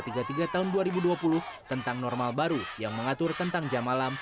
tiga puluh tiga tahun dua ribu dua puluh tentang normal baru yang mengatur tentang jam malam